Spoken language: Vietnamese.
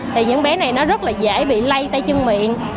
thì những bé này nó rất là dễ bị lây tay chân miệng